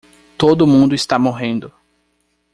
Todo mundo está morrendo